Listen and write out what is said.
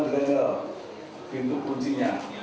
dengan pintu kuncinya